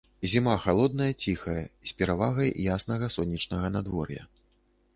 Зіма халодная, ціхая, з перавагай яснага і сонечнага надвор'я.